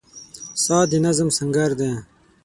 • ساعت د نظم سنګر دی.